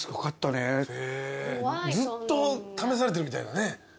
ずっと試されてるみたいなね。